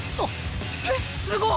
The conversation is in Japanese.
えっすごっ！